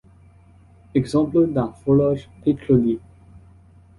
Exemple d'un forage pétrolier.